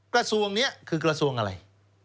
กระทรวงนี้คือกระทรวงอะไร